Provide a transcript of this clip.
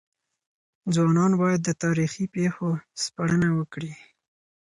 ځوانان بايد د تاريخي پېښو سپړنه وکړي.